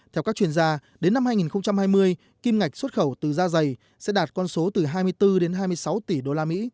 theo các chuyên gia đến năm hai nghìn hai mươi kim ngạch xuất khẩu từ da dày sẽ đạt con số từ hai mươi bốn đến hai mươi sáu tỷ usd